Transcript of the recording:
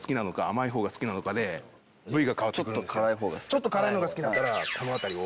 ちょっと辛いのが好きだったらこの辺りを。